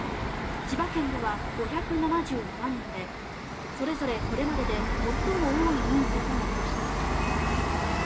千葉県では５７７人でそれぞれ、これまでで最も多い人数となりました。